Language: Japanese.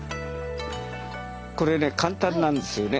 これね簡単なんですよね。